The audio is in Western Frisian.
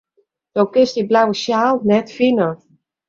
Do kinst dyn blauwe sjaal net fine.